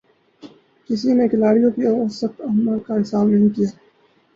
کسی نے کھلاڑیوں کی اوسط عمر کا حساب نہیں کِیا